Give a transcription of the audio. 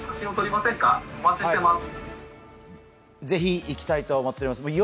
ぜひ行きたいと思ってます。